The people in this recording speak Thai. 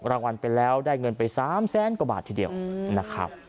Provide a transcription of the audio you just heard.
รางวัลไปแล้วได้เงินไป๓แสนกว่าบาททีเดียวนะครับ